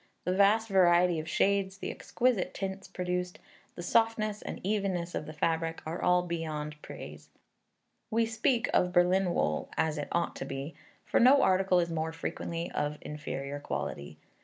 The vast variety of shades, the exquisite tints produced, the softness and evenness of the fabric, are beyond all praise. We speak of Berlin wool as it ought to be; for no article is more frequently of inferior quality.